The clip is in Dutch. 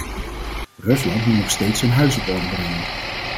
Rusland moet nog steeds zijn huis op orde brengen.